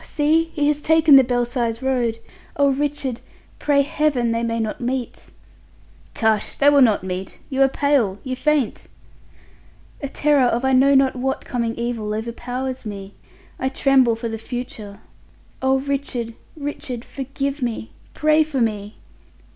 see he has taken the Belsize Road. Oh, Richard, pray Heaven they may not meet." "Tush! They will not meet! You are pale, you faint!" "A terror of I know not what coming evil overpowers me. I tremble for the future. Oh, Richard, Richard! Forgive me! Pray for me."